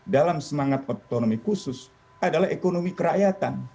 dalam semangat otonomi khusus adalah ekonomi kerakyatan